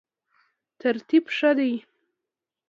ترتیب ښه دی.